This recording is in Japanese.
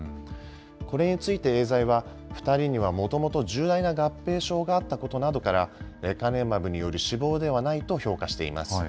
これについてエーザイは、２人にはもともと重大な合併症があったことなどから、レカネマブによる死亡ではないと評価しています。